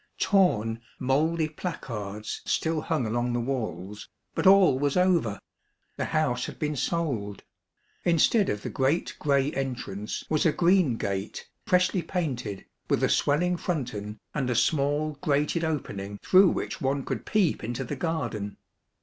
Torn, mouldy placards still hung along the walls, but all was over ! The house had been sold. Instead of the great gray entrance was a green gate, freshly painted, with a swelling fronton, and a small grated opening through which one could peep into the garden.